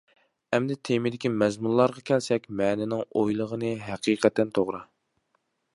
ئەمدى تېمىدىكى مەزمۇنلارغا كەلسەك مەننىڭ ئويلىغىنى ھەقىقەتەن توغرا.